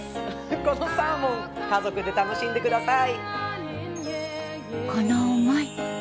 このサーモン家族で楽しんでください。